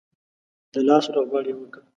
د لاس روغبړ یې وکړ.